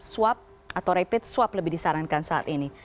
swab atau rapid swab lebih disarankan saat ini